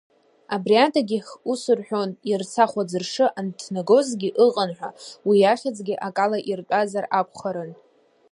Абри адагьых, ус рҳәон Иарцахә аӡыршы анҭнагозгьы ыҟан ҳәа, уи ахьӡгьы акала иртәазар акәхарын…